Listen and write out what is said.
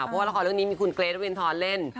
เพราะว่าละครเรื่องนี้มีคุณเกรทวินทรเล่น